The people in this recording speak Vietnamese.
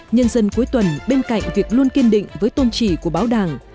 nhân dân cuối tuần bên cạnh việc luôn kiên định với tôn trị của báo đảng